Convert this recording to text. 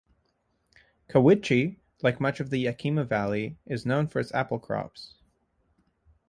Cowiche, like much of the Yakima Valley, is known for its apple crops.